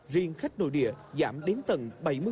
riêng khách nội địa giảm đến tầng bảy mươi